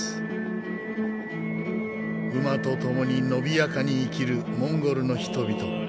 馬と共に伸びやかに生きるモンゴルの人々。